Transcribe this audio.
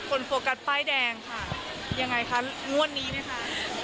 โฟกัสป้ายแดงค่ะยังไงคะงวดนี้ไหมคะ